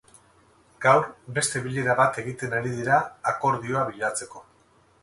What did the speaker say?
Gaur, beste bilera bat egiten ari dira, akordioa bilatzeko.